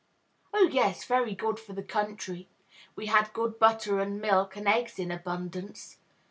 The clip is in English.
"Oh, yes; very good for the country. We had good butter and milk, and eggs in abundance.